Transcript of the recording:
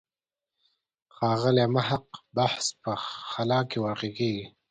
ښاغلي محق بحث په خلا کې واقع کېږي.